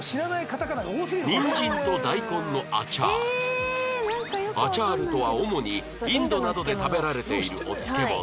ニンジンと大根のアチャールアチャールとは主にインドなどで食べられているお漬物